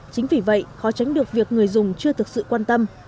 chính vì vậy khó tránh được việc người dùng chưa thực sự quan tâm